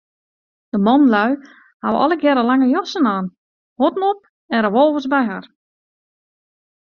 De manlju hawwe allegearre lange jassen oan, huodden op en revolvers by har.